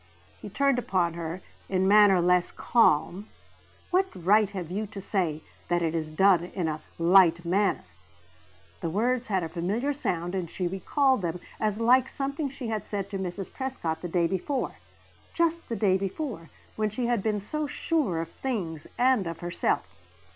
He turned upon her in manner less calm. "What right have you to say that it is done in a 'light manner'!" The words had a familiar sound and she recalled them as like something she had said to Mrs. Prescott the day before; just the day before, when she had been so sure of things, and of herself.